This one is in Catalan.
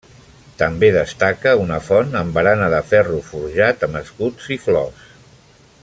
També destaca una font amb barana de ferro forjat amb escuts i flors.